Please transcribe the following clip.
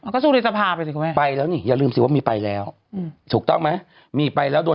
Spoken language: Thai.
จะสู้สภาไปสิครับแม่ไปแล้วเนี่ยอย่าลืมสิว่าหรือไปแล้ว